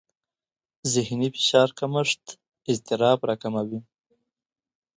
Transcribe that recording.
ذهني فشار کمښت اضطراب راکموي.